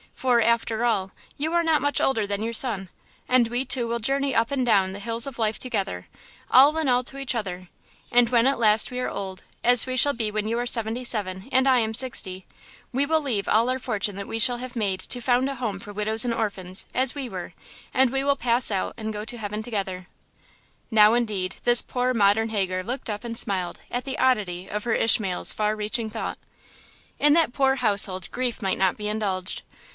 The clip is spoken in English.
for, after all, you are not much older than your son; and we two will journey up and down the hills of life together–all in all to each other; and when at last we are old, as we shall be when you are seventy seven and I am sixty, we will leave all our fortune that we shall have made to found a home for widows and orphans, as we were, and we will pass out and go to heaven together." Now, indeed, this poor, modern Hagar looked up and smiled at the oddity of her Ishmael's far reaching thought. In that poor household grief might not be indulged.